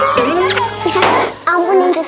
selamat datang ya